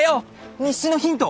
日誌のヒント